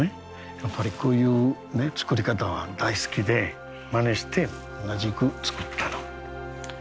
やっぱりこういう作り方は大好きでまねして同じく作ったの。